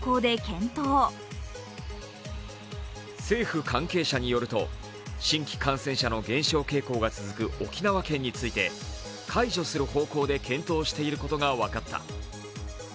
政府関係者によると、新規感染者の減少傾向が続く沖縄県について、解除する方向で検討していることが分かった。